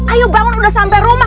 ayo bangun udah sampai rumah